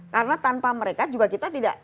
karena tanpa mereka juga kita tidak